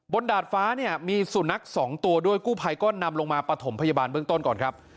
ดาดฟ้าเนี่ยมีสุนัขสองตัวด้วยกู้ภัยก็นำลงมาปฐมพยาบาลเบื้องต้นก่อนครับ